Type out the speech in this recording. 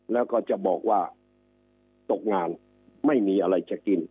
แล้วก็จะบอกว่าตกงานไม่มีอะไรจะกิน